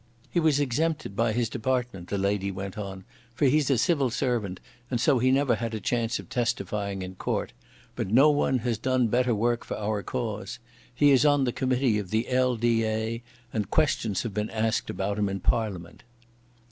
"He was exempted by his Department," the lady went on, "for he's a Civil Servant, and so he never had a chance of testifying in court, but no one has done better work for our cause. He is on the committee of the L.D.A., and questions have been asked about him in Parliament."